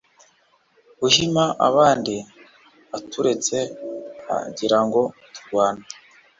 uhima abandi aturetse agirango turwane